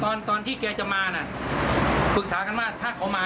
ตอนที่แกจะมาน่ะปรึกษากันว่าถ้าเขามา